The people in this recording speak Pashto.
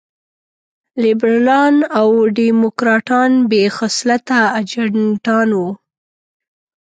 لېبرالان او ډيموکراټان بې خصلته اجنټان وو.